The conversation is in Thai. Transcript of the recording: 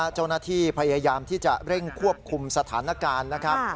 เจ้าหน้าที่พยายามที่จะเร่งควบคุมสถานการณ์นะครับ